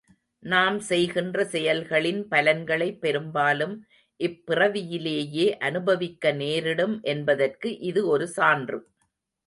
நாம் செய்கின்ற செயல்களின் பலன்களை பெரும் பாலும் இப்பிறவியிலேயே அனுபவிக்க நேரிடும் என்பதற்கு இது ஒரு சான்று.